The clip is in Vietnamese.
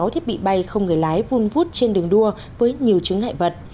ba mươi sáu thiết bị bay không người lái vun vút trên đường đua với nhiều chứng hại vật